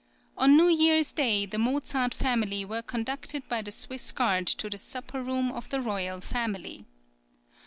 On New Year's Day the Mozart family were conducted by the Swiss guard to the supper room of the royal family.